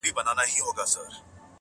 • لېوانو ته غوښي چا پخ کړي دي -